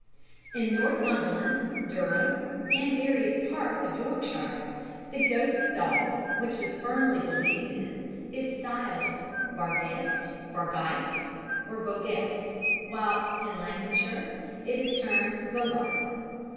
In Northumberland, Durham, and various parts of Yorkshire, the ghost dog, which is firmly believed in, is styled Barguest, Bahrgeist, or Boguest; whilst in Lancashire it is termed the Boggart.